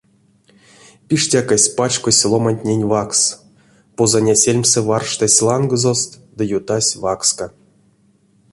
Пиштякась пачкодсь ломантнень ваксс, позаня сельмсэ варштась лангозост ды ютась вакска.